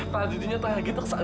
pak adudu nyetanya gitu kak